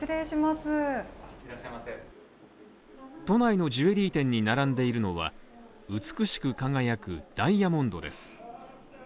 都内のジュエリー店に並んでいるのは美しく輝く、ダイヤモンドです。